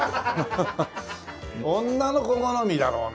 女の子好みだろうな。